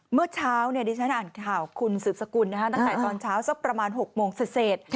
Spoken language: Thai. เมื่อเช้าดิฉันอ่านข่าวคุณสืบสกุลตั้งแต่ตอนเช้าสักประมาณ๖โมงเสร็จ